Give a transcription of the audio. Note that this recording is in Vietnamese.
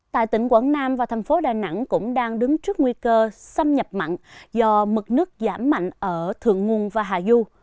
tại tỉnh quảng nam và thành phố đà nẵng cũng đang đứng trước nguy cơ xâm nhập mặn do mực nước giảm mạnh ở thượng nguồn và hà du